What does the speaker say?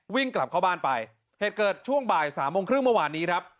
วิ่งกลับเข้าบ้านไปเหตุเกิดช่วงบ่ายสามโมงครึ่งเมื่อวานนี้ครับ